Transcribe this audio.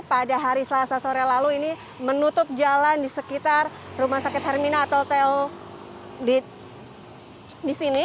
pada hari selasa sore lalu ini menutup jalan di sekitar rumah sakit hermina atau hotel di sini